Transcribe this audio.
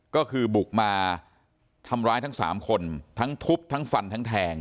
ก็คือบุกมาทำร้ายทั้ง๓คนทั้งทุบทั้งฟันทั้งแทง